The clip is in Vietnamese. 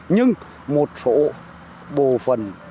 nhưng một số bộ phần cả